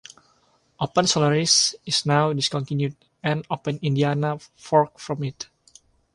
OpenSolaris is now discontinued and OpenIndiana forked from it.